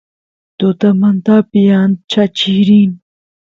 tutamantapi ancha chirin